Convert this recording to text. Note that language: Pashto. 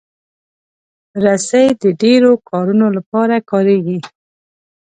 رسۍ د ډیرو کارونو لپاره کارېږي.